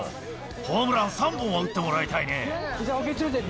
ホームラン３本は打ってもらいたいね。